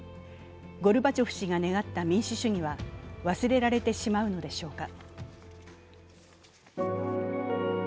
ゴルバチョフ氏が願った民主主義は忘れられてしまうのでしょうか。